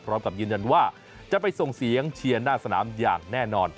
พร้อมกับยืนยันว่าจะไปส่งเสียงเชียร์หน้าสนามอย่างแน่นอน